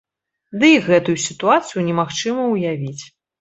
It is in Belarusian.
Ды і гэтую сітуацыю немагчыма ўявіць.